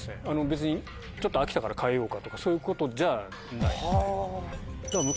別にちょっと飽きたから替えようかとかそういうことじゃない。